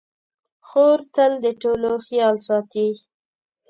خور تل د ټولو خیال ساتي.